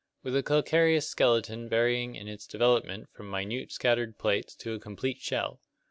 With a calcareous skeleton varying in its development from minute scattered plates to a complete shell.